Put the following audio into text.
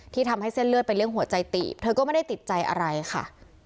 ทำให้เส้นเลือดเป็นเรื่องหัวใจตีบเธอก็ไม่ได้ติดใจอะไรค่ะ